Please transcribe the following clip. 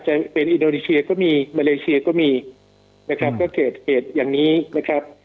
จะเป็นอินโดนีเซียก็มีมาเลเซียก็มีนะครับก็เกิดเหตุอย่างนี้นะครับ